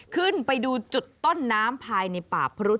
ขึ้นไปดูจุดต้นน้ำภายในป่าพรุษ